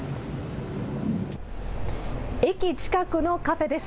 駅近くのカフェです。